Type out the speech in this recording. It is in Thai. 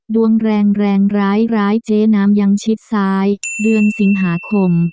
ดวงแรงแรงร้ายเจ๊น้ำยังชิดซ้ายเดือนสิงหาคม